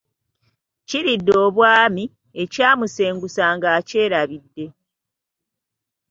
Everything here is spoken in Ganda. Kiridde obwami, ekyamusengusanga akyerabira.